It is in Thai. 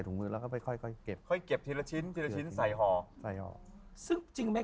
แล้วคุณทำยังไง